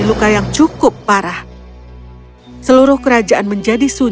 siapa saja yang membuat dua orang katakan bahwa terra gua ini sangat jauh dengar